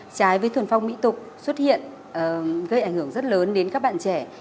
trái với thuần phong mỹ tục xuất hiện gây ảnh hưởng rất lớn đến các bạn trẻ